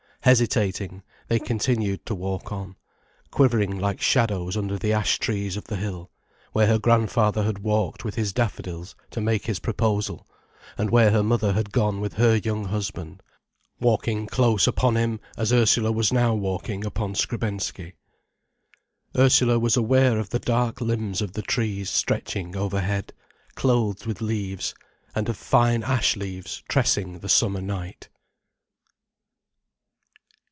Hesitating, they continued to walk on, quivering like shadows under the ash trees of the hill, where her grandfather had walked with his daffodils to make his proposal, and where her mother had gone with her young husband, walking close upon him as Ursula was now walking upon Skrebensky. Ursula was aware of the dark limbs of the trees stretching overhead, clothed with leaves, and of fine ash leaves tressing the summer night.